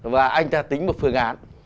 và anh ta tính một phương án